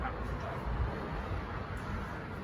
نبي علیه السلام د ټولو انسانانو لپاره رحمت و.